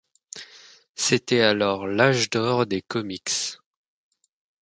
C’était alors l'Âge d'or des comics.